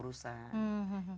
kesudutan dalam urusan